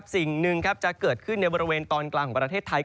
สิ่งหนึ่งจะเกิดขึ้นในบริเวณตอนกลางของประเทศไทย